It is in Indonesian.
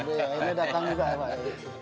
ini datang juga pak